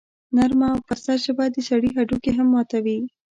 نرمه او پسته ژبه د سړي هډوکي هم ماتوي.